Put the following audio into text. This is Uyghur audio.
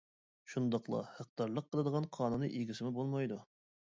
شۇنداقلا ھەقدارلىق قىلىدىغان قانۇنىي ئىگىسىمۇ بولمايدۇ.